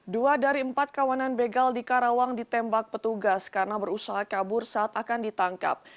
dua dari empat kawanan begal di karawang ditembak petugas karena berusaha kabur saat akan ditangkap